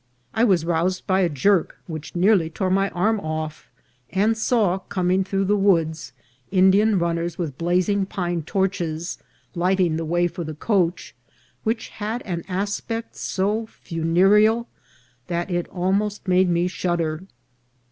I was roused by a jerk which nearly tore my arm off, and saw coming through the woods Indian runners with blazing pine torches, lighting the way for the coach, which had an aspect so funereal that it almost made me shudder.